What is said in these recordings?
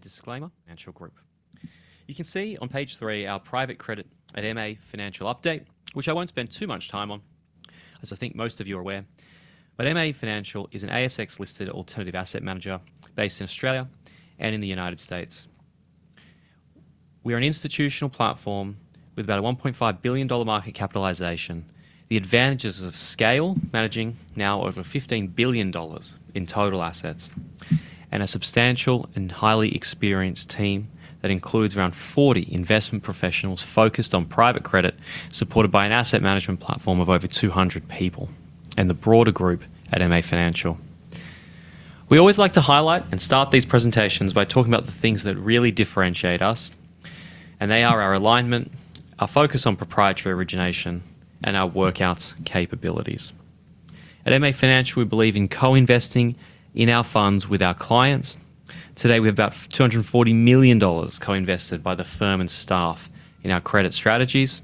Disclaimer, MA Financial Group. You can see on page 3 our private credit at MA Financial update, which I won't spend too much time on, as I think most of you are aware. MA Financial is an ASX-listed alternative asset manager based in Australia and in the United States. We are an institutional platform with about 1.5 billion dollar market capitalization. The advantages of scale, managing now over 15 billion dollars in total assets, and a substantial and highly experienced team that includes around 40 investment professionals focused on private credit, supported by an asset management platform of over 200 people and the broader group at MA Financial. We always like to highlight and start these presentations by talking about the things that really differentiate us, and they are our alignment, our focus on proprietary origination, and our workouts capabilities. At MA Financial, we believe in co-investing in our funds with our clients. Today, we have about 240 million dollars co-invested by the firm and staff in our credit strategies.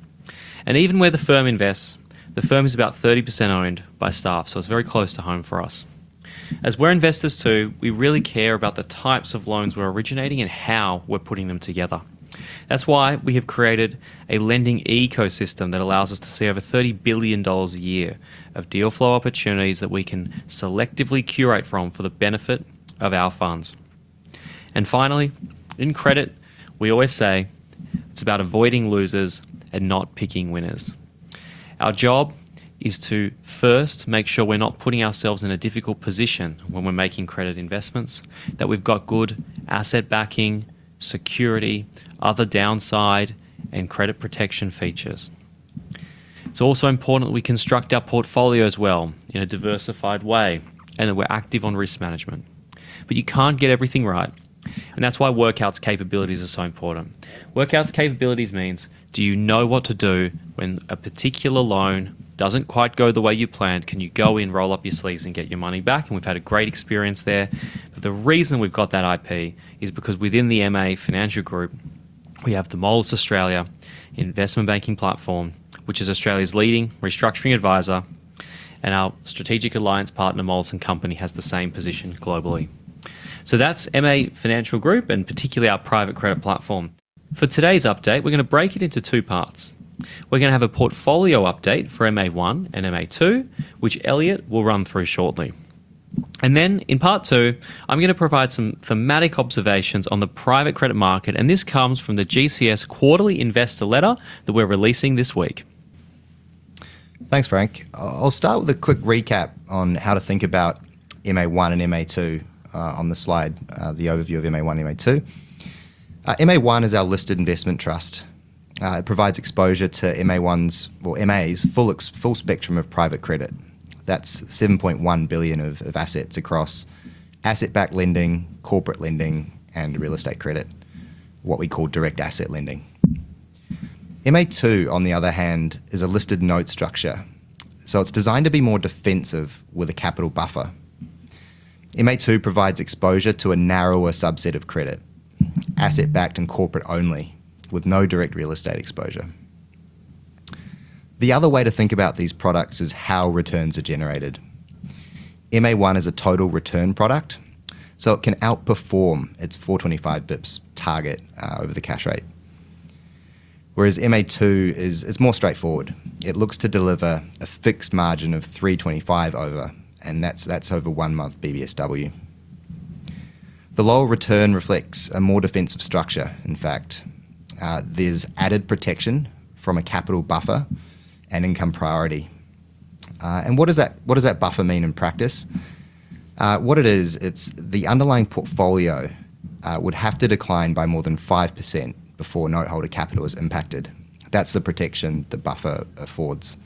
Even where the firm invests, the firm is about 30% owned by staff, so it's very close to home for us. As we're investors too, we really care about the types of loans we're originating and how we're putting them together. That's why we have created a lending ecosystem that allows us to see over 30 billion dollars a year of deal flow opportunities that we can selectively curate from for the benefit of our funds. Finally, in credit, we always say it's about avoiding losers and not picking winners. Our job is to first make sure we're not putting ourselves in a difficult position when we're making credit investments, that we've got good asset backing, security, other downside, and credit protection features. It's also important that we construct our portfolios well in a diversified way, and that we're active on risk management. You can't get everything right, and that's why workouts capabilities are so important. Workouts capabilities means, do you know what to do when a particular loan doesn't quite go the way you planned? Can you go in, roll up your sleeves, and get your money back? We've had a great experience there. The reason we've got that IP is because within the MA Financial Group, we have the Moelis Australia investment banking platform, which is Australia's leading restructuring advisor, and our strategic alliance partner, Moelis & Company, has the same position globally. That's MA Financial Group and particularly our private credit platform. For today's update, we're going to break it into two parts. We're going to have a portfolio update for MA1 and MA2, which Elliott will run through shortly. In part two, I'm going to provide some thematic observations on the private credit market, and this comes from the GCS quarterly investor letter that we're releasing this week. Thanks, Frank. I'll start with a quick recap on how to think about MA1 and MA2 on the slide, the overview of MA1 and MA2. MA1 is our listed investment trust. It provides exposure to MA's full spectrum of private credit. That's 7.1 billion of assets across asset-backed lending, corporate lending, and real estate credit, what we call direct asset lending. MA2, on the other hand, is a listed note structure. It's designed to be more defensive with a capital buffer. MA2 provides exposure to a narrower subset of credit, asset-backed and corporate only, with no direct real estate exposure. The other way to think about these products is how returns are generated. MA1 is a total return product, so it can outperform its 425 basis points target over the cash rate. Whereas MA2 is more straightforward. It looks to deliver a fixed margin of 325 over, and that's over one month BBSW. The lower return reflects a more defensive structure, in fact. There's added protection from a capital buffer and income priority. What does that buffer mean in practice? What it is, it's the underlying portfolio would have to decline by more than 5% before noteholder capital is impacted. That's the protection the buffer affords.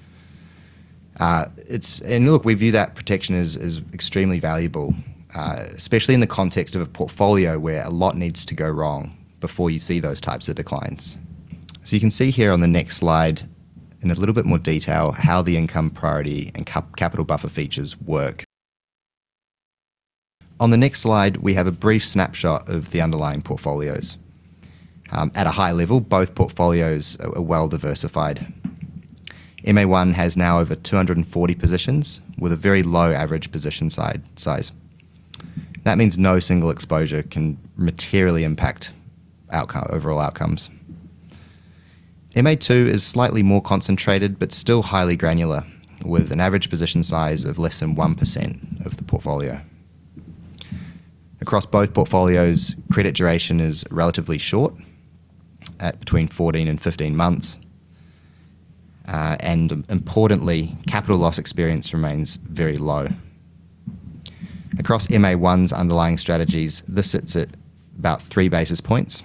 Look, we view that protection as extremely valuable, especially in the context of a portfolio where a lot needs to go wrong before you see those types of declines. You can see here on the next slide in a little bit more detail how the income priority and capital buffer features work. On the next slide, we have a brief snapshot of the underlying portfolios. At a high level, both portfolios are well diversified. MA1 has now over 240 positions with a very low average position size. That means no single exposure can materially impact overall outcomes. MA2 is slightly more concentrated but still highly granular, with an average position size of less than 1% of the portfolio. Across both portfolios, credit duration is relatively short at between 14-15 months. Importantly, capital loss experience remains very low. Across MA1's underlying strategies, this sits at about 3 basis points.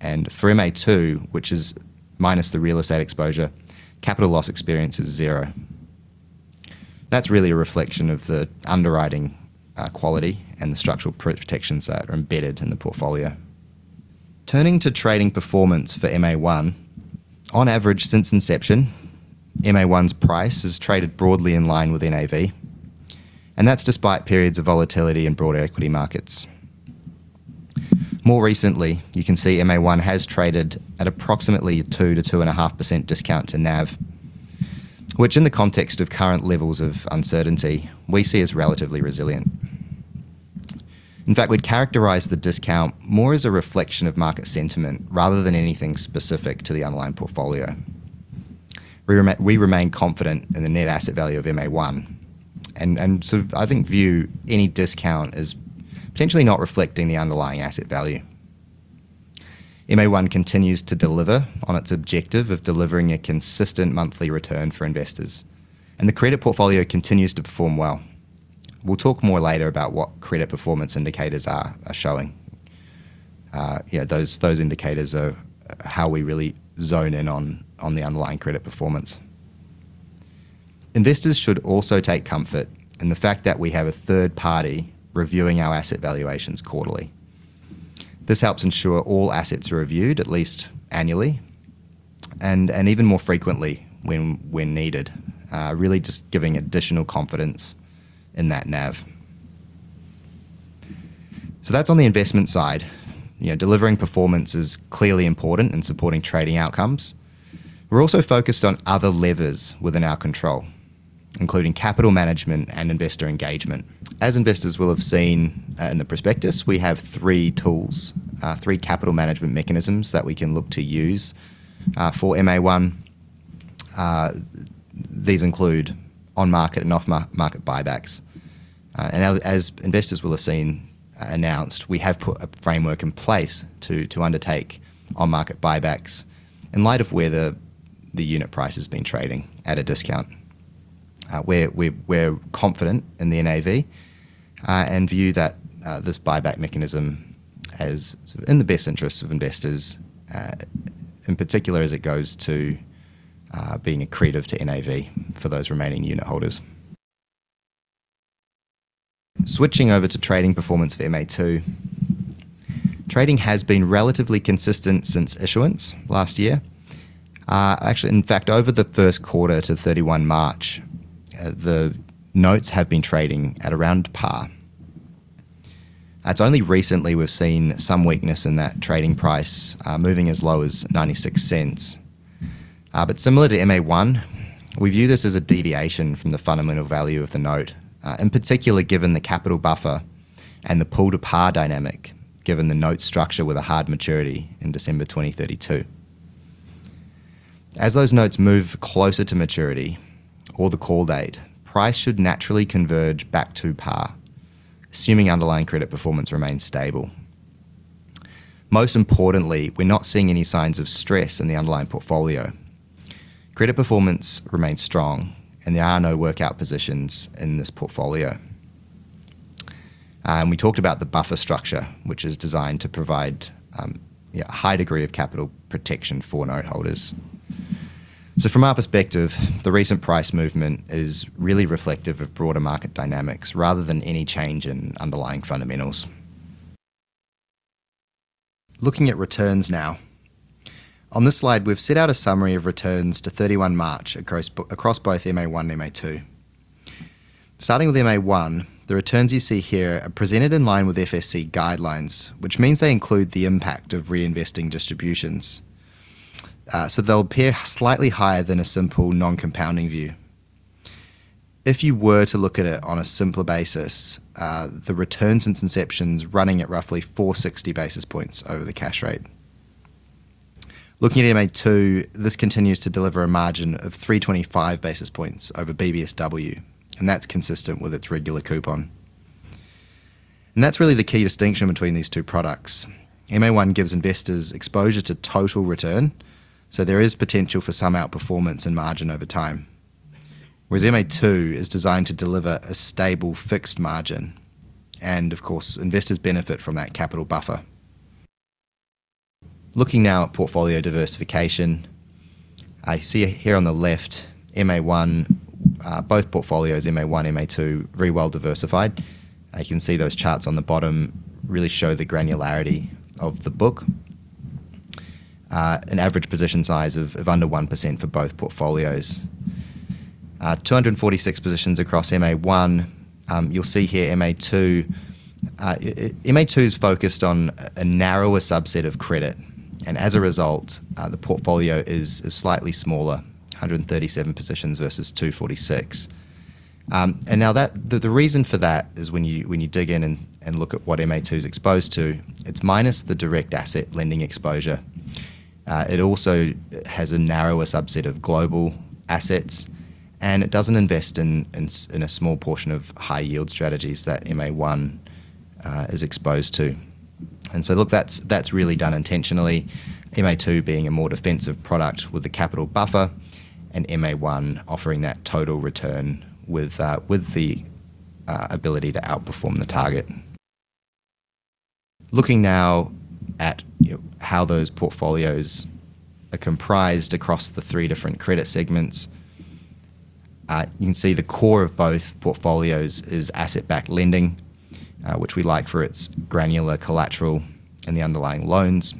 For MA2, which is minus the real estate exposure, capital loss experience is zero. That's really a reflection of the underwriting quality and the structural protections that are embedded in the portfolio. Turning to trading performance for MA1, on average since inception, MA1's price has traded broadly in line with NAV, and that's despite periods of volatility in broader equity markets. More recently, you can see MA1 has traded at approximately 2%-2.5% discount to NAV. Which in the context of current levels of uncertainty, we see as relatively resilient. In fact, we'd characterize the discount more as a reflection of market sentiment rather than anything specific to the underlying portfolio. We remain confident in the net asset value of MA1, and so I think we view any discount as potentially not reflecting the underlying asset value. MA1 continues to deliver on its objective of delivering a consistent monthly return for investors. The credit portfolio continues to perform well. We'll talk more later about what credit performance indicators are showing. Those indicators are how we really zone in on the underlying credit performance. Investors should also take comfort in the fact that we have a third party reviewing our asset valuations quarterly. This helps ensure all assets are reviewed at least annually and even more frequently when needed, really just giving additional confidence in that NAV. That's on the investment side. Delivering performance is clearly important in supporting trading outcomes. We're also focused on other levers within our control, including capital management and investor engagement. As investors will have seen in the prospectus, we have three tools, three capital management mechanisms that we can look to use for MA1. These include on-market and off-market buybacks. As investors will have seen announced, we have put a framework in place to undertake on-market buybacks in light of where the unit price has been trading at a discount, where we're confident in the NAV, and view that this buyback mechanism as in the best interest of investors, in particular as it goes to being accretive to NAV for those remaining unit holders. Switching over to trading performance of MA2. Trading has been relatively consistent since issuance last year. Actually, in fact, over the first quarter to 31 March, the notes have been trading at around par. It's only recently we've seen some weakness in that trading price, moving as low as 0.96. Similar to MA1, we view this as a deviation from the fundamental value of the note, in particular given the capital buffer and the pull to par dynamic, given the note structure with a hard maturity in December 2032. As those notes move closer to maturity or the call date, price should naturally converge back to par, assuming underlying credit performance remains stable. Most importantly, we're not seeing any signs of stress in the underlying portfolio. Credit performance remains strong, and there are no workout positions in this portfolio. We talked about the buffer structure, which is designed to provide a high degree of capital protection for note holders. From our perspective, the recent price movement is really reflective of broader market dynamics rather than any change in underlying fundamentals. Looking at returns now. On this slide, we've set out a summary of returns to 31 March across both MA1 and MA2. Starting with MA1, the returns you see here are presented in line with FSC guidelines, which means they include the impact of reinvesting distributions. They'll appear slightly higher than a simple non-compounding view. If you were to look at it on a simpler basis, the return since inception's running at roughly 460 basis points over the cash rate. Looking at MA2, this continues to deliver a margin of 325 basis points over BBSW, and that's consistent with its regular coupon. That's really the key distinction between these two products. MA1 gives investors exposure to total return, so there is potential for some outperformance in margin over time. Whereas MA2 is designed to deliver a stable fixed margin. Of course, investors benefit from that capital buffer. Looking now at portfolio diversification. I see here on the left, MA1, both portfolios, MA1, MA2, very well diversified. You can see those charts on the bottom really show the granularity of the book. An average position size of under 1% for both portfolios. 246 positions across MA1. You'll see here MA2. MA2's focused on a narrower subset of credit, and as a result, the portfolio is slightly smaller, 137 positions versus 246. Now, the reason for that is when you dig in and look at what MA2's exposed to, it's minus the direct asset lending exposure. It also has a narrower subset of global assets, and it doesn't invest in a small portion of high yield strategies that MA1 is exposed to. Look, that's really done intentionally, MA2 being a more defensive product with a capital buffer, and MA1 offering that total return with the ability to outperform the target. Looking now at how those portfolios are comprised across the three different credit segments. You can see the core of both portfolios is asset-backed lending, which we like for its granular collateral and the underlying loans.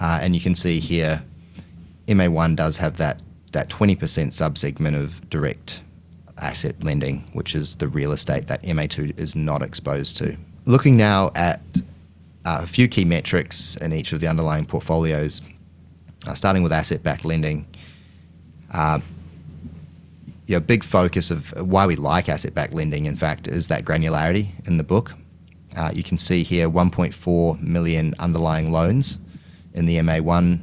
You can see here, MA1 does have that 20% subsegment of direct asset lending, which is the real estate that MA2 is not exposed to. Looking now at a few key metrics in each of the underlying portfolios, starting with asset-backed lending. A big focus of why we like asset-backed lending, in fact, is that granularity in the book. You can see here 1.4 million underlying loans in the MA1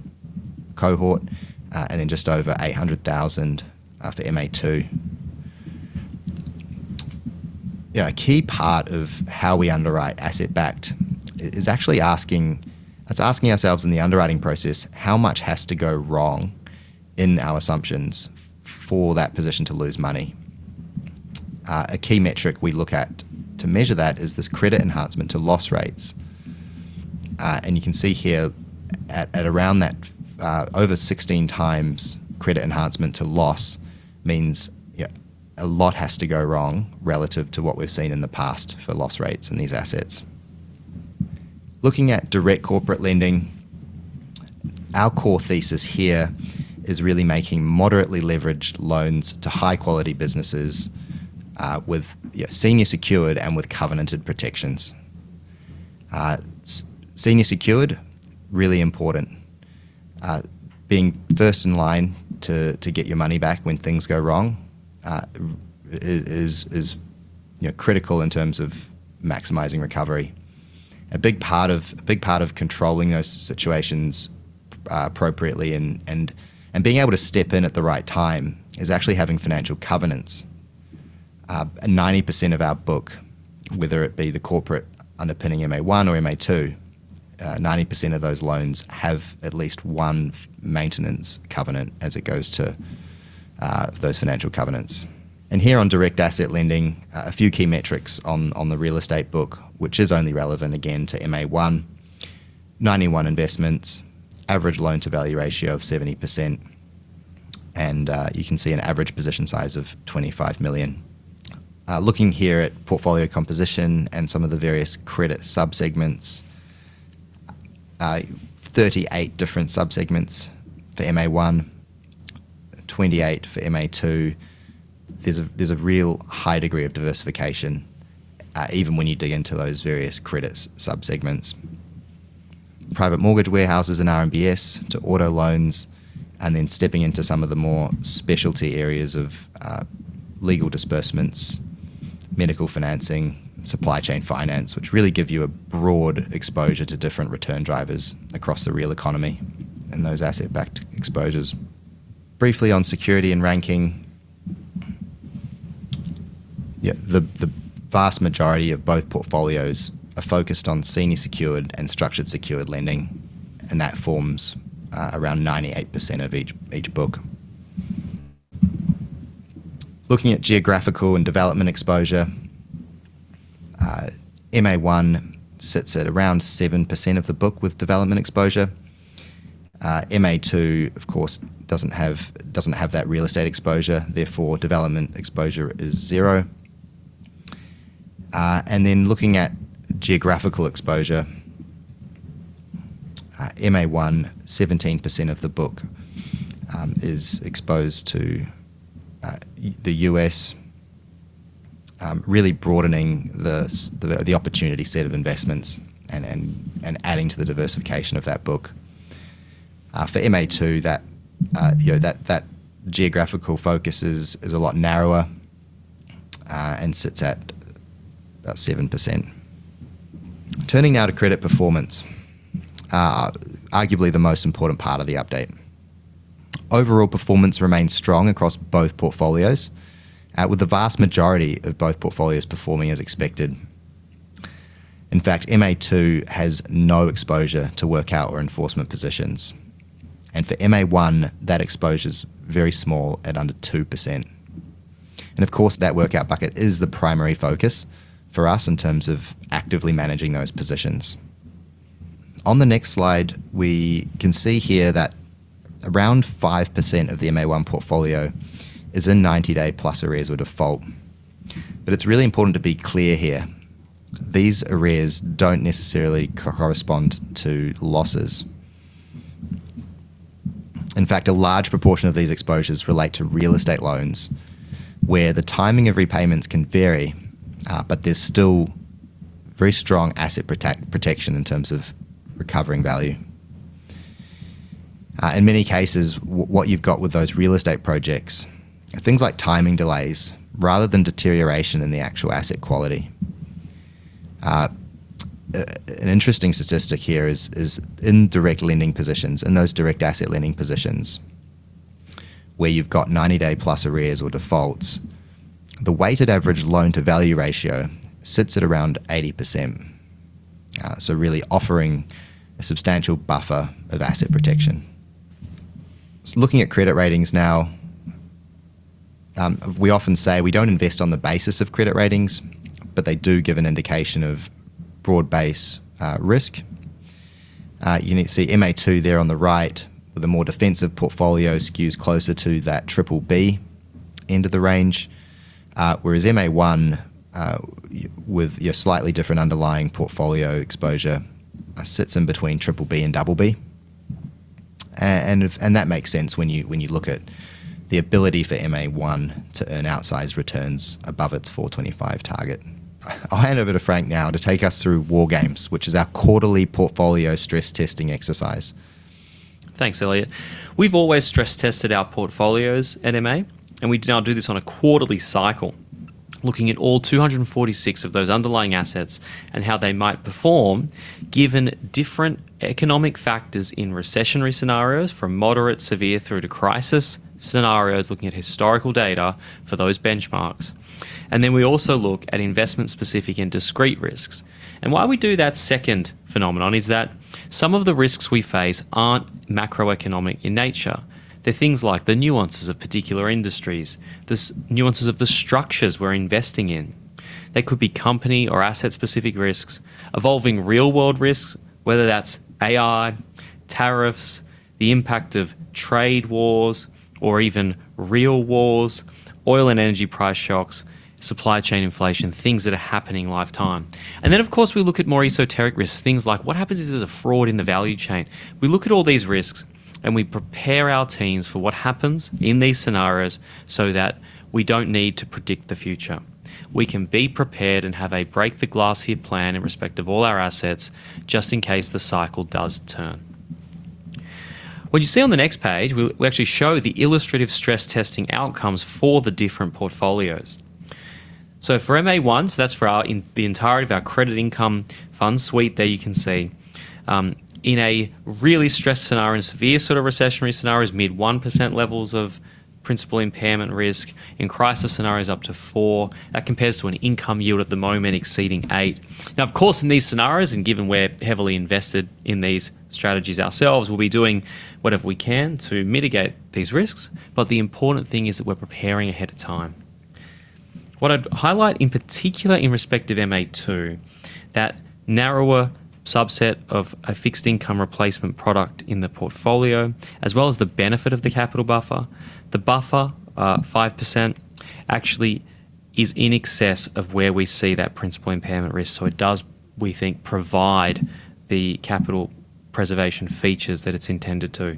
cohort, and then just over 800,000 after MA2. A key part of how we underwrite asset-backed is asking ourselves in the underwriting process, how much has to go wrong in our assumptions for that position to lose money? A key metric we look at to measure that is this credit enhancement to loss rates. You can see here at around that, over 16x credit enhancement to loss means a lot has to go wrong relative to what we've seen in the past for loss rates in these assets. Looking at direct corporate lending, our core thesis here is really making moderately leveraged loans to high-quality businesses with senior secured and with covenanted protections. Senior secured, really important. Being first in line to get your money back when things go wrong is critical in terms of maximizing recovery. A big part of controlling those situations appropriately and being able to step in at the right time is actually having financial covenants. 90% of our book, whether it be the corporate underpinning MA1 or MA2, 90% of those loans have at least one maintenance covenant as it goes to those financial covenants. Here on direct asset lending, a few key metrics on the real estate book, which is only relevant again to MA1. 91 investments, average loan-to-value ratio of 70%, and you can see an average position size of 25 million. Looking here at portfolio composition and some of the various credit sub-segments. 38 different sub-segments for MA1, 28 for MA2. There's a real high degree of diversification, even when you dig into those various credit sub-segments. Private mortgage warehouses and RMBS to auto loans, and then stepping into some of the more specialty areas of legal disbursements, medical financing, supply chain finance, which really give you a broad exposure to different return drivers across the real economy and those asset-backed exposures. Briefly on seniority and ranking. The vast majority of both portfolios are focused on senior secured and structured secured lending, and that forms around 98% of each book. Looking at geographical and development exposure. MA1 sits at around 7% of the book with development exposure. MA2, of course, doesn't have that real estate exposure, therefore, development exposure is zero. Looking at geographical exposure. MA1, 17% of the book is exposed to the U.S., really broadening the opportunity set of investments and adding to the diversification of that book. For MA2, that geographical focus is a lot narrower and sits at about 7%. Turning now to credit performance. Arguably the most important part of the update. Overall performance remains strong across both portfolios, with the vast majority of both portfolios performing as expected. In fact, MA2 has no exposure to workout or enforcement positions. For MA1, that exposure is very small at under 2%. Of course, that workout bucket is the primary focus for us in terms of actively managing those positions. On the next slide, we can see here that around 5% of the MA1 portfolio is in 90-day plus arrears or default. It's really important to be clear here. These arrears don't necessarily correspond to losses. In fact, a large proportion of these exposures relate to real estate loans, where the timing of repayments can vary, but there's still very strong asset protection in terms of recovering value. In many cases, what you've got with those real estate projects are things like timing delays rather than deterioration in the actual asset quality. An interesting statistic here is in direct lending positions, in those direct asset lending positions, where you've got 90-day-plus arrears or defaults, the weighted average loan-to-value ratio sits at around 80%. Really offering a substantial buffer of asset protection. Looking at credit ratings now. We often say we don't invest on the basis of credit ratings, but they do give an indication of broad-based risk. You can see MA2 there on the right, the more defensive portfolio skews closer to that BBB end of the range, whereas MA1, with your slightly different underlying portfolio exposure, sits in between BBB and BB. That makes sense when you look at the ability for MA1 to earn outsized returns above its 425 target. I'll hand over to Frank now to take us through war games, which is our quarterly portfolio stress testing exercise. Thanks, Elliott. We've always stress-tested our portfolios at MA, and we now do this on a quarterly cycle looking at all 246 of those underlying assets and how they might perform given different economic factors in recessionary scenarios, from moderate to severe through to crisis scenarios, looking at historical data for those benchmarks. Then we also look at investment-specific and discrete risks. Why we do that second phenomenon is that some of the risks we face aren't macroeconomic in nature. They're things like the nuances of particular industries, the nuances of the structures we're investing in that could be company or asset-specific risks, evolving real-world risks, whether that's AI, tariffs, the impact of trade wars, or even real wars, oil and energy price shocks, supply chain inflation, things that are happening in real time. Of course, we look at more esoteric risks. Things like what happens if there's a fraud in the value chain? We look at all these risks, and we prepare our teams for what happens in these scenarios so that we don't need to predict the future. We can be prepared and have a break-the-glass-here plan in respect of all our assets, just in case the cycle does turn. What you see on the next page, we actually show the illustrative stress testing outcomes for the different portfolios. For MA1, that's for the entirety of our credit income fund suite there you can see, in a really stressed scenario, in severe sort of recessionary scenarios, mid 1% levels of principal impairment risk. In crisis scenarios, up to 4%. That compares to an income yield at the moment exceeding 8%. Now, of course, in these scenarios, and given we're heavily invested in these strategies ourselves, we'll be doing whatever we can to mitigate these risks. The important thing is that we're preparing ahead of time. What I'd highlight in particular in respect of MA2, that narrower subset of a fixed income replacement product in the portfolio, as well as the benefit of the capital buffer, 5%, actually is in excess of where we see that principal impairment risk. It does, we think, provide the capital preservation features that it's intended to.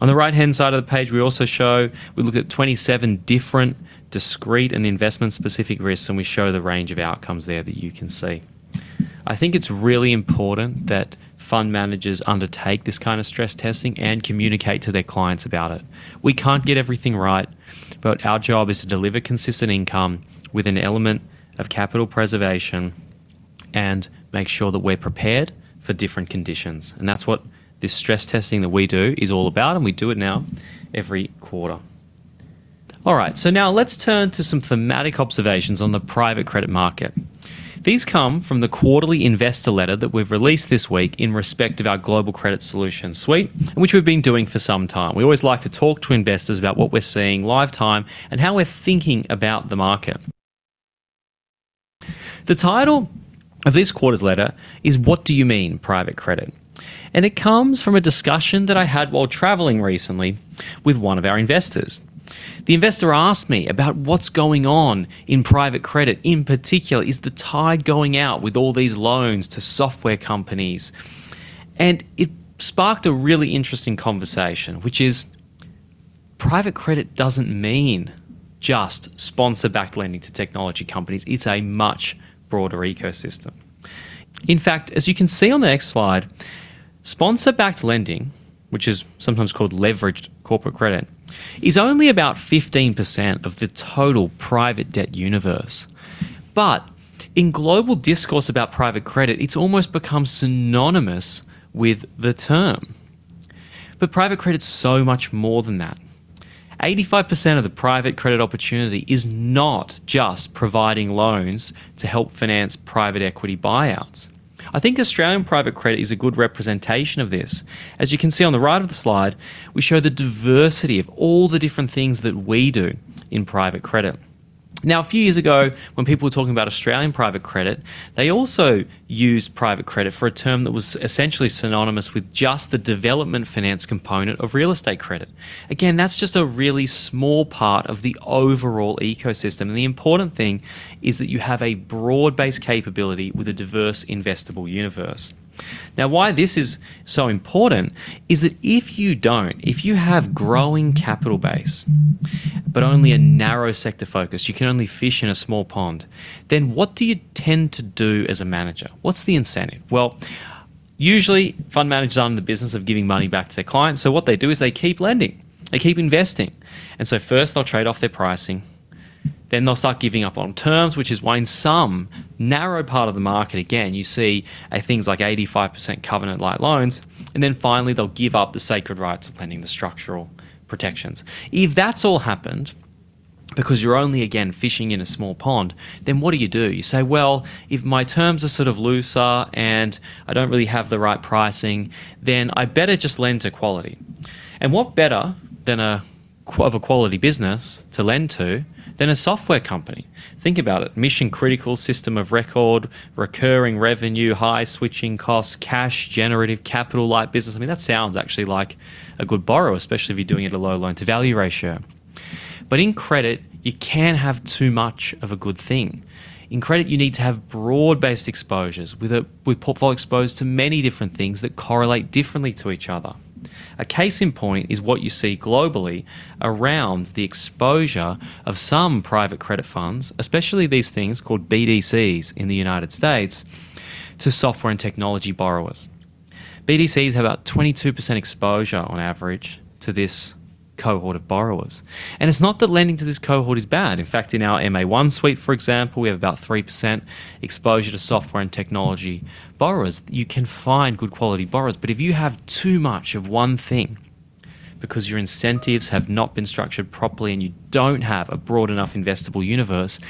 On the right-hand side of the page, we look at 27 different discrete and investment-specific risks, and we show the range of outcomes there that you can see. I think it's really important that fund managers undertake this kind of stress testing and communicate to their clients about it. We can't get everything right, but our job is to deliver consistent income with an element of capital preservation and make sure that we're prepared for different conditions. That's what this stress testing that we do is all about, and we do it now every quarter. All right, now let's turn to some thematic observations on the private credit market. These come from the quarterly investor letter that we've released this week in respect of our Global Credit Solutions suite, which we've been doing for some time. We always like to talk to investors about what we're seeing live time and how we're thinking about the market. The title of this quarter's letter is What Do You Mean Private Credit? It comes from a discussion that I had while traveling recently with one of our investors. The investor asked me about what's going on in private credit. In particular, is the tide going out with all these loans to software companies? It sparked a really interesting conversation, which is private credit doesn't mean just sponsor-backed lending to technology companies. It's a much broader ecosystem. In fact, as you can see on the next slide, sponsor-backed lending, which is sometimes called leveraged corporate credit, is only about 15% of the total private debt universe. In global discourse about private credit, it's almost become synonymous with the term. Private credit's so much more than that. 85% of the private credit opportunity is not just providing loans to help finance private equity buyouts. I think Australian private credit is a good representation of this. As you can see on the right of the slide, we show the diversity of all the different things that we do in private credit. Now, a few years ago, when people were talking about Australian private credit, they also used private credit for a term that was essentially synonymous with just the development finance component of real estate credit. Again, that's just a really small part of the overall ecosystem, and the important thing is that you have a broad-based capability with a diverse investable universe. Now, why this is so important is that if you don't, if you have growing capital base but only a narrow sector focus, you can only fish in a small pond, then what do you tend to do as a manager? What's the incentive? Well, usually fund managers are in the business of giving money back to their clients. What they do is they keep lending. They keep investing. First they'll trade off their pricing. They'll start giving up on terms, which is why in some narrow part of the market, again, you see things like 85% covenant-light loans. Finally, they'll give up the sacred rights of lending the structural protections. If that's all happened because you're only, again, fishing in a small pond, then what do you do? You say, "Well, if my terms are sort of looser and I don't really have the right pricing, then I better just lend to quality." What better of a quality business to lend to than a software company? Think about it. Mission-critical system of record, recurring revenue, high switching costs, cash generative, capital-light business. I mean, that sounds actually like a good borrower, especially if you're doing it at a low loan-to-value ratio. In credit, you can have too much of a good thing. In credit, you need to have broad-based exposures with a portfolio exposed to many different things that correlate differently to each other. A case in point is what you see globally around the exposure of some private credit funds, especially these things called BDCs in the United States to software and technology borrowers. BDCs have about 22% exposure on average to this cohort of borrowers. It's not that lending to this cohort is bad. In fact, in our MA1 suite, for example, we have about 3% exposure to software and technology borrowers. You can find good quality borrowers. If you have too much of one thing because your incentives have not been structured properly and you don't have a broad enough investable universe,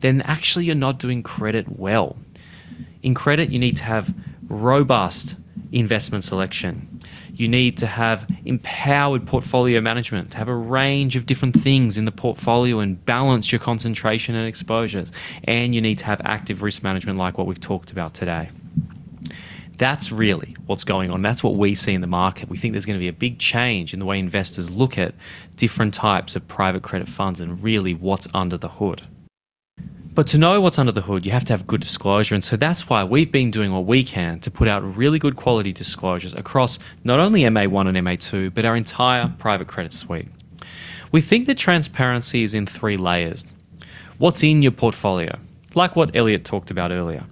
then actually you're not doing credit well. In credit, you need to have robust investment selection. You need to have empowered portfolio management to have a range of different things in the portfolio and balance your concentration and exposures. You need to have active risk management, like what we've talked about today. That's really what's going on. That's what we see in the market. We think there's going to be a big change in the way investors look at different types of private credit funds and really what's under the hood. To know what's under the hood, you have to have good disclosure, and so that's why we've been doing what we can to put out really good quality disclosures across not only MA1 and MA2, but our entire private credit suite. We think that transparency is in three layers. What's in your portfolio? Like what Elliott talked about earlier.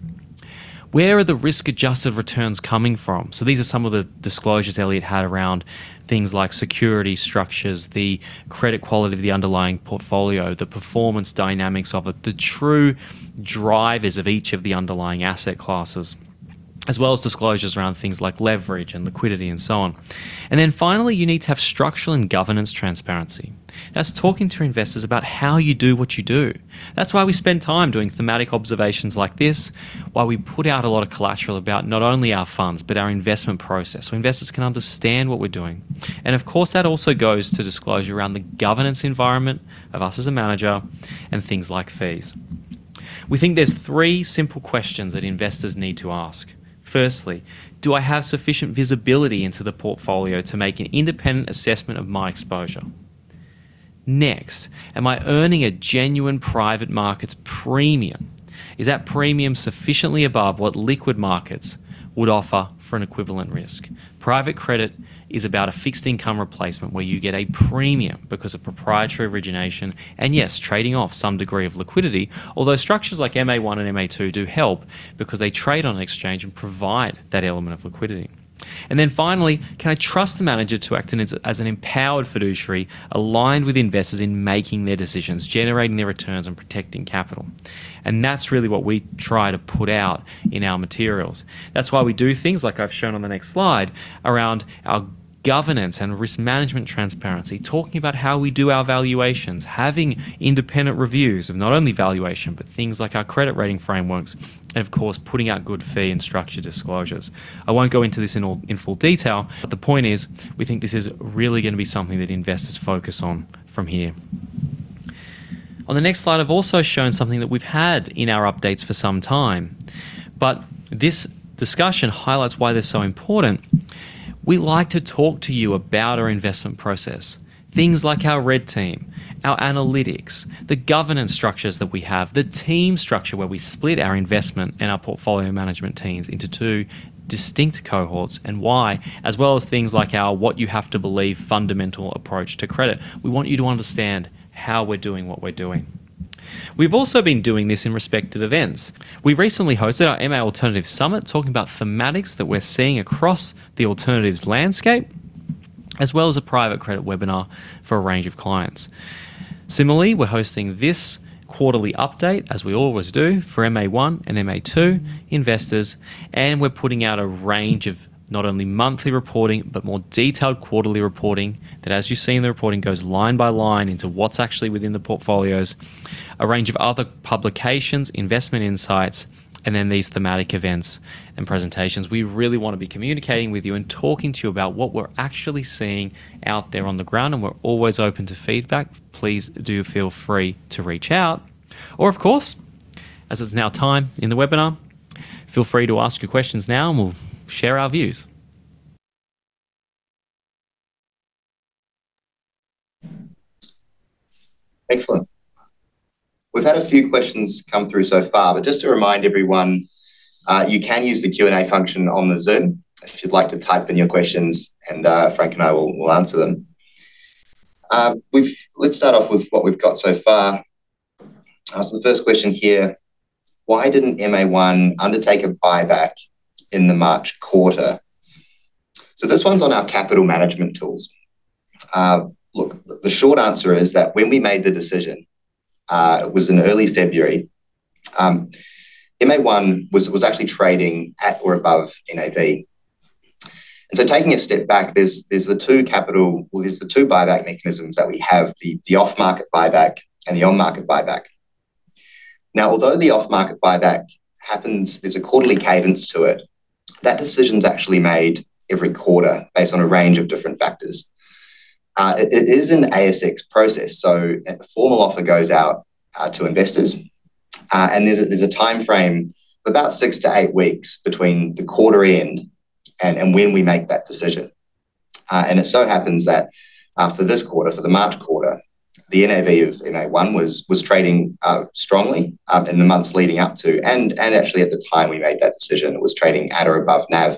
Where are the risk-adjusted returns coming from? These are some of the disclosures Elliott had around things like security structures, the credit quality of the underlying portfolio, the performance dynamics of it, the true drivers of each of the underlying asset classes, as well as disclosures around things like leverage and liquidity and so on. Finally, you need to have structural and governance transparency. That's talking to investors about how you do what you do. That's why we spend time doing thematic observations like this, why we put out a lot of collateral about not only our funds, but our investment process, so investors can understand what we're doing. Of course, that also goes to disclosure around the governance environment of us as a manager and things like fees. We think there's three simple questions that investors need to ask. Firstly, do I have sufficient visibility into the portfolio to make an independent assessment of my exposure? Next, am I earning a genuine private markets premium? Is that premium sufficiently above what liquid markets would offer for an equivalent risk? Private credit is about a fixed income replacement where you get a premium because of proprietary origination and yes, trading off some degree of liquidity. Although structures like MA1 and MA2 do help because they trade on an exchange and provide that element of liquidity. Finally, can I trust the manager to act as an empowered fiduciary aligned with investors in making their decisions, generating their returns, and protecting capital? That's really what we try to put out in our materials. That's why we do things like I've shown on the next slide around our governance and risk management transparency, talking about how we do our valuations, having independent reviews of not only valuation, but things like our credit rating frameworks, and of course, putting out good fee and structure disclosures. I won't go into this in full detail, but the point is we think this is really going to be something that investors focus on from here. On the next slide, I've also shown something that we've had in our updates for some time, but this discussion highlights why they're so important. We like to talk to you about our investment process, things like our red team, our analytics, the governance structures that we have, the team structure, where we split our investment and our portfolio management teams into two distinct cohorts and why, as well as things like our what you have to believe fundamental approach to credit. We want you to understand how we're doing what we're doing. We've also been doing this in respect to events. We recently hosted our MA Alternative Summit, talking about thematics that we're seeing across the alternatives landscape, as well as a private credit webinar for a range of clients. Similarly, we're hosting this quarterly update, as we always do for MA1 and MA2 investors, and we're putting out a range of not only monthly reporting, but more detailed quarterly reporting that, as you see in the reporting, goes line by line into what's actually within the portfolios, a range of other publications, investment insights, and then these thematic events and presentations. We really want to be communicating with you and talking to you about what we're actually seeing out there on the ground, and we're always open to feedback. Please do feel free to reach out, or of course, as it's now time in the webinar, feel free to ask your questions now and we'll share our views. Excellent. We've had a few questions come through so far, but just to remind everyone, you can use the Q&A function on the Zoom if you'd like to type in your questions, and Frank and I will answer them. Let's start off with what we've got so far. The first question here, why didn't MA1 undertake a buyback in the March quarter? This one's on our capital management tools. Look, the short answer is that when we made the decision, it was in early February. MA1 was actually trading at or above NAV. Taking a step back, there's the two buyback mechanisms that we have, the off-market buyback and the on-market buyback. Now, although the off-market buyback happens, there's a quarterly cadence to it. That decision is actually made every quarter based on a range of different factors. It is an ASX process, so a formal offer goes out to investors. There's a timeframe of about six to eight weeks between the quarter end and when we make that decision. It so happens that for this quarter, for the March quarter, the NAV of MA1 was trading strongly in the months leading up to, and actually at the time we made that decision, it was trading at or above NAV.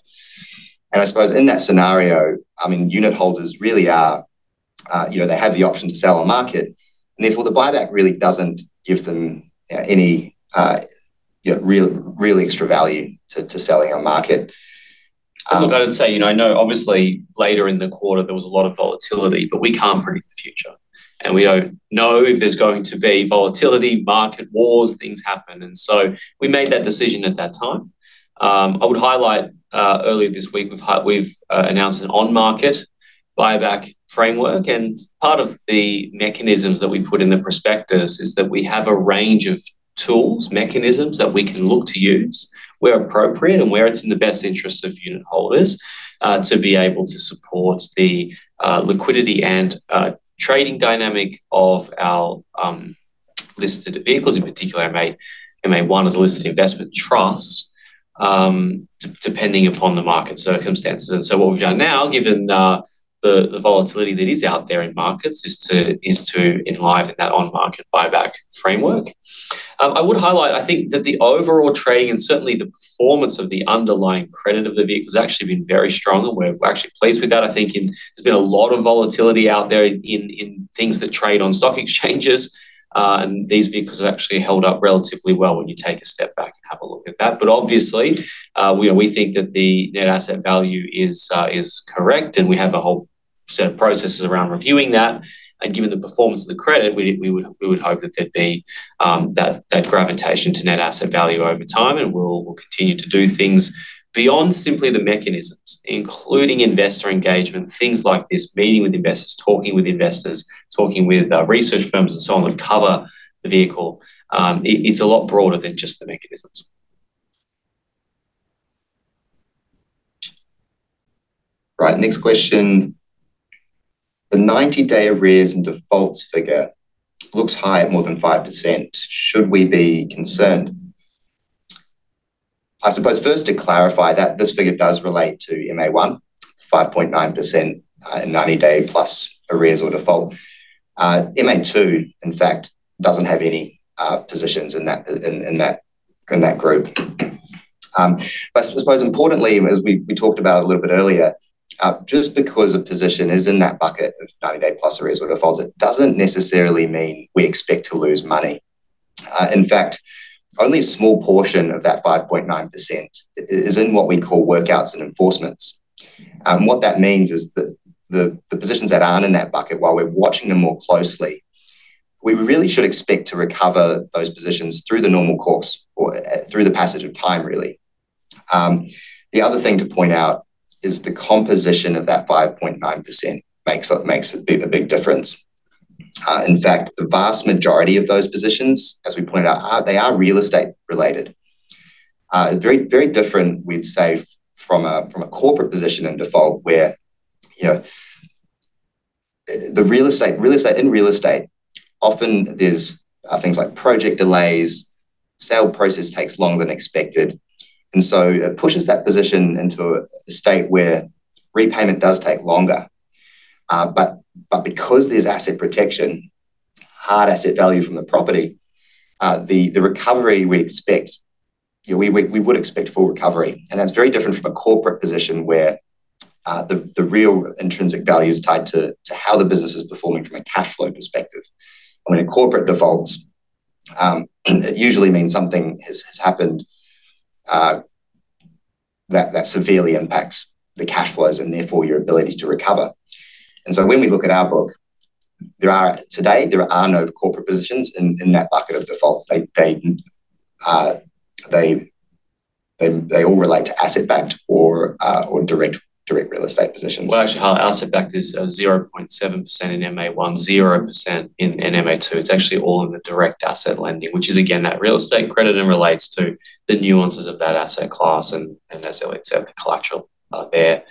I suppose in that scenario, unit holders really are, they have the option to sell on market, and therefore the buyback really doesn't give them any real extra value to selling on market. Look, I would say, I know obviously later in the quarter there was a lot of volatility, but we can't predict the future, and we don't know if there's going to be volatility, market wars, things happen. We made that decision at that time. I would highlight, earlier this week, we've announced an on-market buyback framework, and part of the mechanisms that we put in the prospectus is that we have a range of tools, mechanisms that we can look to use where appropriate and where it's in the best interest of unit holders, to be able to support the liquidity and trading dynamic of our listed vehicles. In particular, MA1 is a listed investment trust, depending upon the market circumstances. What we've done now, given the volatility that is out there in markets, is to enliven that on-market buyback framework. I would highlight, I think, that the overall trading and certainly the performance of the underlying credit of the vehicle has actually been very strong and we're actually pleased with that. I think there's been a lot of volatility out there in things that trade on stock exchanges, and these vehicles have actually held up relatively well when you take a step back and have a look at that. Obviously, we think that the net asset value is correct, and we have a whole set of processes around reviewing that. Given the performance of the credit, we would hope that there'd be that gravitation to net asset value over time, and we'll continue to do things beyond simply the mechanisms, including investor engagement, things like this, meeting with investors, talking with investors, talking with research firms and so on, that cover the vehicle. It's a lot broader than just the mechanisms. Right. Next question. "The 90-day arrears and defaults figure looks high at more than 5%. Should we be concerned?" I suppose first to clarify that this figure does relate to MA1, 5.9% in 90-day plus arrears or default. MA2, in fact, doesn't have any positions in that group. I suppose importantly, as we talked about a little bit earlier, just because a position is in that bucket of 90-day plus arrears or defaults, it doesn't necessarily mean we expect to lose money. In fact, only a small portion of that 5.9% is in what we call workouts and enforcements. What that means is that the positions that aren't in that bucket, while we're watching them more closely, we really should expect to recover those positions through the normal course or through the passage of time, really. The other thing to point out is the composition of that 5.9% makes a big difference. In fact, the vast majority of those positions, as we pointed out, they are real estate related. Very different, we'd say, from a corporate position in default where the real estate. In real estate, often there's things like project delays, sale process takes longer than expected, and so it pushes that position into a state where repayment does take longer. But because there's asset protection, hard asset value from the property, the recovery we expect, we would expect full recovery. That's very different from a corporate position where the real intrinsic value is tied to how the business is performing from a cash flow perspective. When a corporate defaults, it usually means something has happened that severely impacts the cash flows and therefore your ability to recover. When we look at our book, today, there are no corporate positions in that bucket of defaults. They all relate to asset-backed or direct real estate positions. Well, actually, asset-backed is 0.7% in MA1, 0% in MA2. It's actually all in the direct asset lending, which is again, that real estate credit and relates to the nuances of that asset class and that's why we accept the collateral there.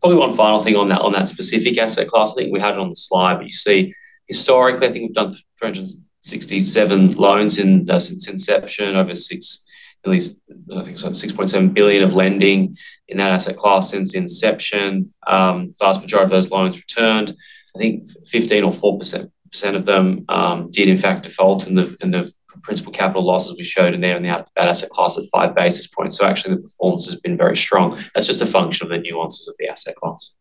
Probably one final thing on that specific asset class. I think we had it on the slide, but you see historically, I think we've done 367 loans since inception over six, at least, I think it's around 6.7 billion of lending in that asset class since inception. Vast majority of those loans returned. I think [1.5 or 4%] of them did in fact default, and the principal capital losses we showed in there in that asset class at five basis points. Actually, the performance has been very strong. That's just a function of the nuances of the asset class.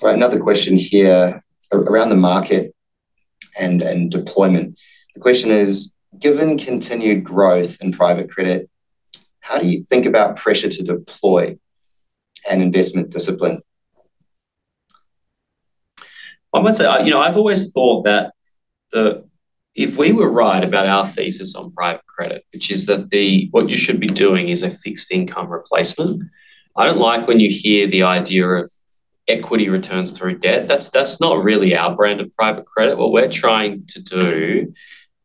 Right. Another question here around the market and deployment. The question is: "Given continued growth in private credit, how do you think about pressure to deploy and investment discipline? I would say, I've always thought that if we were right about our thesis on private credit, which is that what you should be doing is a fixed income replacement. I don't like when you hear the idea of equity returns through debt. That's not really our brand of private credit. What we're trying to do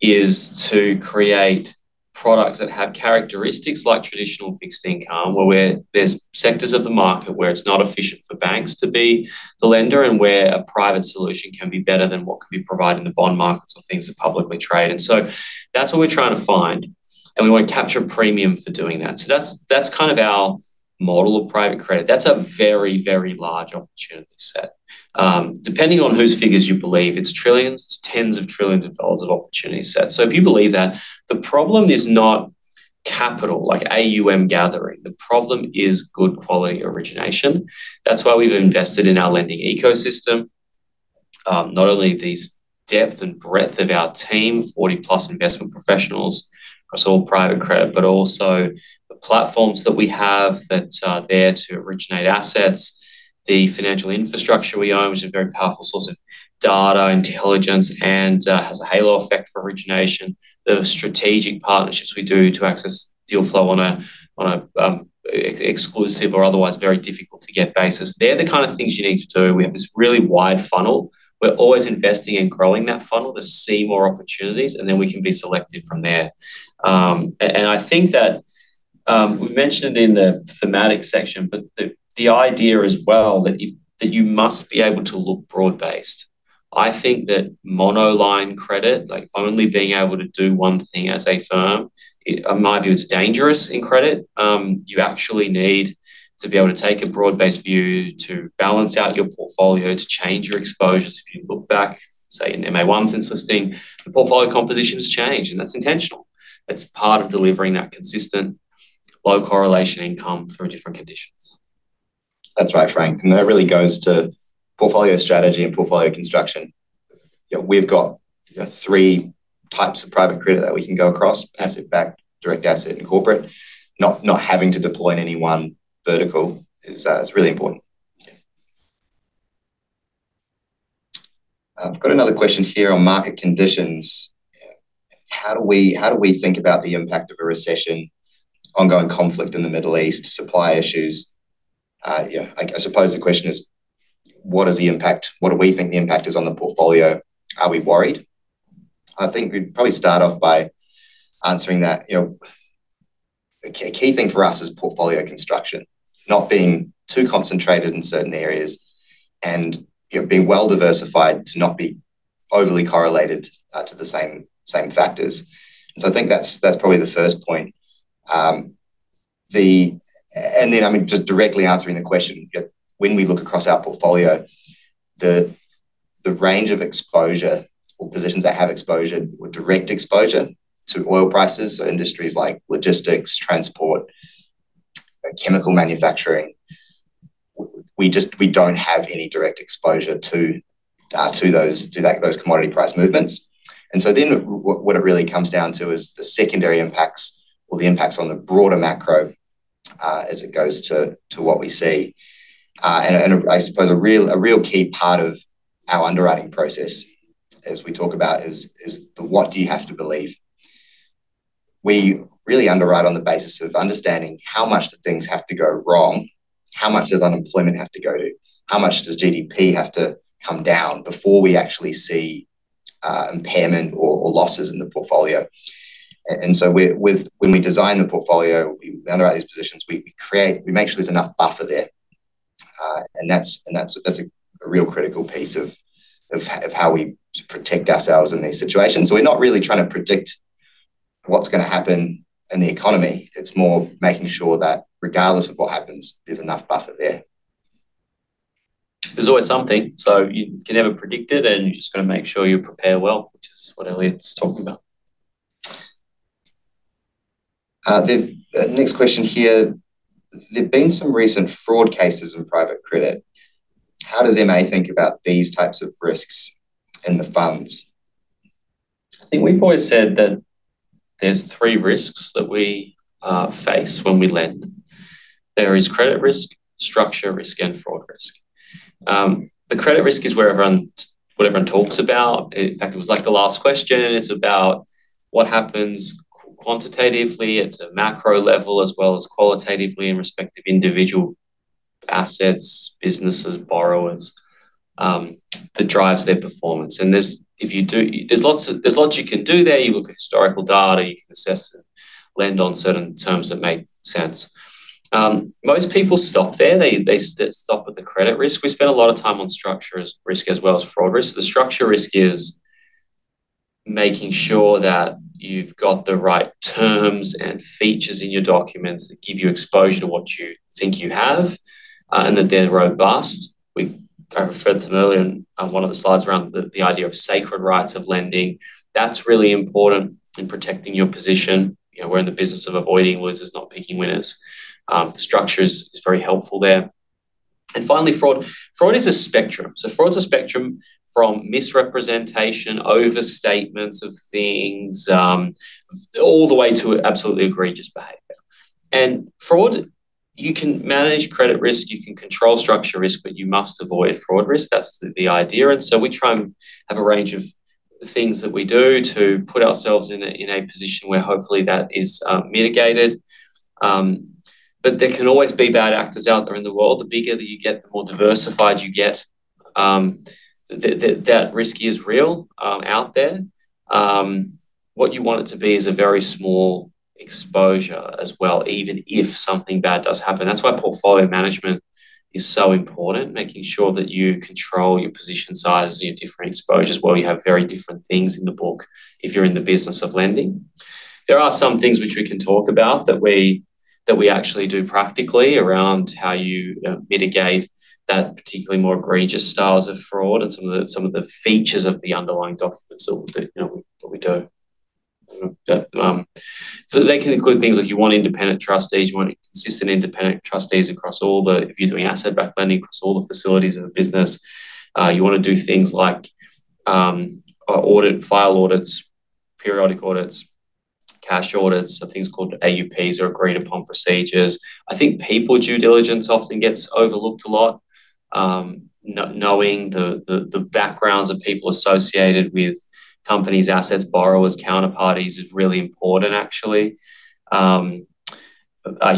is to create products that have characteristics like traditional fixed income, where there's sectors of the market where it's not efficient for banks to be the lender, and where a private solution can be better than what could be provided in the bond markets or things that publicly trade. That's what we're trying to find, and we want to capture a premium for doing that. That's our model of private credit. That's a very, very large opportunity set. Depending on whose figures you believe, it's trillions to tens of trillions of dollars of opportunity set. If you believe that, the problem is not capital, like AUM gathering. The problem is good quality origination. That's why we've invested in our lending ecosystem. Not only the depth and breadth of our team, 40+ investment professionals, across all private credit, but also the platforms that we have that are there to originate assets, the financial infrastructure we own, which is a very powerful source of data, intelligence, and has a halo effect for origination. The strategic partnerships we do to access deal flow on an exclusive or otherwise very difficult to get basis. They're the kind of things you need to do. We have this really wide funnel. We're always investing in growing that funnel to see more opportunities, and then we can be selective from there. I think that, we mentioned it in the thematic section, but the idea as well, that you must be able to look broad-based. I think that monoline credit, only being able to do one thing as a firm, in my view, it's dangerous in credit. You actually need to be able to take a broad-based view to balance out your portfolio, to change your exposures. If you look back, say in MA1 since listing, the portfolio composition has changed, and that's intentional. That's part of delivering that consistent, low correlation income through different conditions. That's right, Frank, and that really goes to portfolio strategy and portfolio construction. We've got three types of private credit that we can go across, asset-backed, direct asset, and corporate. Not having to deploy in any one vertical is really important. Yeah. I've got another question here on market conditions. Yeah. How do we think about the impact of a recession, ongoing conflict in the Middle East, supply issues? I suppose the question is, what do we think the impact is on the portfolio? Are we worried? I think we'd probably start off by answering that, a key thing for us is portfolio construction, not being too concentrated in certain areas and be well diversified to not be overly correlated to the same factors. So I think that's probably the first point. Then, just directly answering the question, when we look across our portfolio, the range of exposure or positions that have exposure or direct exposure to oil prices, so industries like logistics, transport, chemical manufacturing, we don't have any direct exposure to those commodity price movements. What it really comes down to is the secondary impacts or the impacts on the broader macro, as it goes to what we see. I suppose a real key part of our underwriting process, as we talk about is the what you have to believe. We really underwrite on the basis of understanding how much do things have to go wrong, how much does unemployment have to go to, how much does GDP have to come down before we actually see impairment or losses in the portfolio. When we design the portfolio, we underwrite these positions, we make sure there's enough buffer there. That's a real critical piece of how we protect ourselves in these situations. We're not really trying to predict what's going to happen in the economy. It's more making sure that regardless of what happens, there's enough buffer there. There's always something, so you can never predict it, and you've just got to make sure you prepare well, which is what Elliott's talking about. The next question here, there've been some recent fraud cases in private credit. How does MA think about these types of risks in the funds? I think we've always said that there's three risks that we face when we lend. There is credit risk, structure risk, and fraud risk. The credit risk is what everyone talks about. In fact, it was like the last question, and it's about what happens quantitatively at the macro level, as well as qualitatively in respect of individual assets, businesses, borrowers, that drives their performance. There's lots you can do there. You look at historical data, you can assess and lend on certain terms that make sense. Most people stop there. They stop at the credit risk. We spend a lot of time on structure risk as well as fraud risk. The structure risk is making sure that you've got the right terms and features in your documents that give you exposure to what you think you have, and that they're robust. We kind of referred to them earlier on one of the slides around the idea of sacred rights of lending. That's really important in protecting your position. We're in the business of avoiding losers, not picking winners. The structure is very helpful there. Finally, fraud. Fraud is a spectrum. Fraud's a spectrum from misrepresentation, overstatements of things, all the way to absolutely egregious behavior. Fraud, you can manage credit risk, you can control structure risk, but you must avoid fraud risk. That's the idea. We try and have a range of things that we do to put ourselves in a position where hopefully that is mitigated. There can always be bad actors out there in the world. The bigger that you get, the more diversified you get. That risk is real out there. What you want it to be is a very small exposure as well, even if something bad does happen. That's why portfolio management is so important, making sure that you control your position sizes and your different exposures, while you have very different things in the book if you're in the business of lending. There are some things which we can talk about that we actually do practically around how you mitigate that particularly more egregious styles of fraud and some of the features of the underlying documents that we do. They can include things like you want independent trustees, you want consistent independent trustees across all the, if you're doing asset-backed lending, across all the facilities in the business. You want to do things like audit, file audits, periodic audits, cash audits. Things called AUPs, or agreed upon procedures. I think people's due diligence often gets overlooked a lot. Knowing the backgrounds of people associated with companies, assets, borrowers, counterparties is really important actually,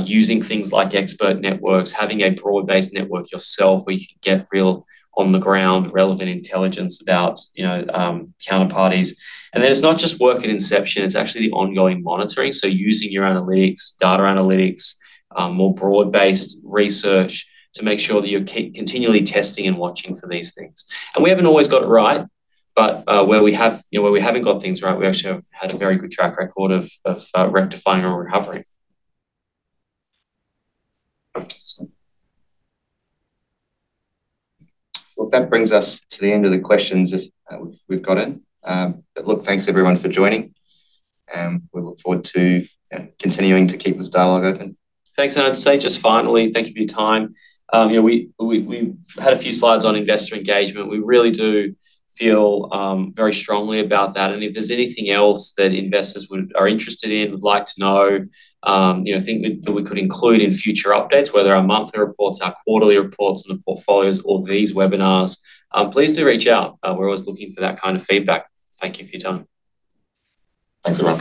using things like expert networks, having a broad-based network yourself where you can get real on the ground relevant intelligence about counterparties. Then it's not just work at inception, it's actually the ongoing monitoring, using your analytics, data analytics, more broad-based research to make sure that you're continually testing and watching for these things. We haven't always got it right, but where we haven't got things right, we actually have had a very good track record of rectifying or recovering. Well, that brings us to the end of the questions that we've gotten. Look, thanks everyone for joining, and we look forward to continuing to keep this dialogue open. Thanks. I'd say just finally, thank you for your time. We had a few slides on investor engagement. We really do feel very strongly about that, and if there's anything else that investors are interested in, would like to know, think that we could include in future updates, whether our monthly reports, our quarterly reports, and the portfolios or these webinars, please do reach out. We're always looking for that kind of feedback. Thank you for your time. Thanks a lot.